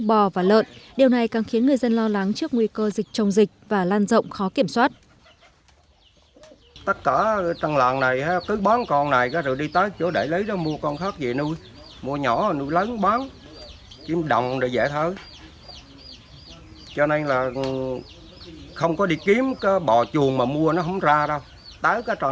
bò và lợn điều này càng khiến người dân lo lắng trước nguy cơ dịch trồng dịch và lan rộng khó kiểm soát